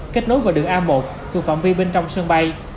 kết nối vào đường a một thuộc phạm vi bên trong sân bay